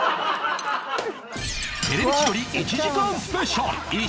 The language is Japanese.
『テレビ千鳥』１時間スペシャル